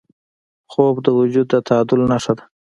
خوب د وجود د تعادل نښه ده